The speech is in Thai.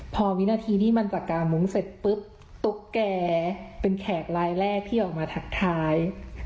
พอวินาทีที่มันจากกามุ้งเสร็จปุ๊บตุ๊กแกเป็นแขกลายแรกที่ออกมาทักทาย